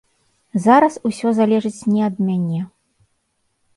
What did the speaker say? Зараз усё залежыць не ад мяне.